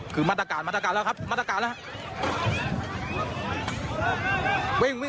คือมาตรการมาตรการแล้วครับมาตรการแล้วครับ